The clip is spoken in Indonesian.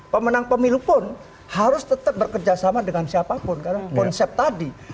pemenang pemilu pun harus tetap bekerjasama dengan siapapun karena konsep tadi